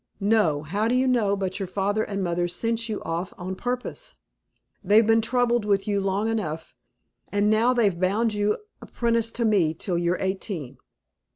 "No; how do you know but your father and mother sent you off on purpose? They've been troubled with you long enough, and now they've bound you apprentice to me till you're eighteen."